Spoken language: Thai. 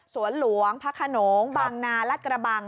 หลวงพระขนงบางนาลัดกระบัง